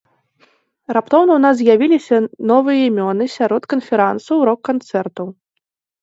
Раптоўна ў нас з'явіліся новыя імёны сярод канферансаў рок-канцэртаў.